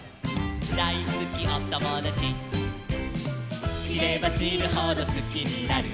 ダイスキおともだち」「しればしるほどスキになる」